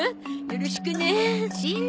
よろしくねん！